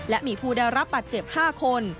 และมีผู้ได้รับบัตรเจ็บ๕คน